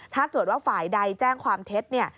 ถ้าเกิดว่าฝ่ายใดแจ้งความเท็จเนี่ย